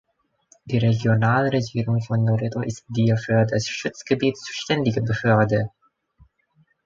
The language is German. Die Regionalregierung von Loreto ist die für das Schutzgebiet zuständige Behörde.